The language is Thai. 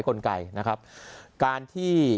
กลไกนะครับการที่